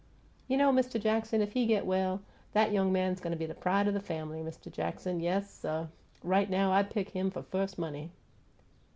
You know, Mist' Jackson, if he git well, 'at young man go' be pride o' the family, Mist' Jackson. Yes suh, right now I pick 'im fo' firs' money!"